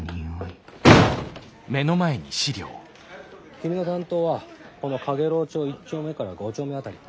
いいにおい君の担当はこの陽炎町１丁目から５丁目辺り。